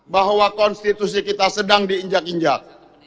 bahwa konstitusi kita sedang diinjak injak